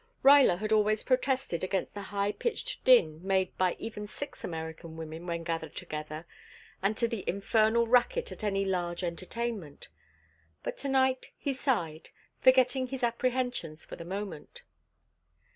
Ruyler had always protested against the high pitched din made by even six American women when gathered together, and to the infernal racket at any large entertainment; but to night he sighed, forgetting his apprehensions for the moment.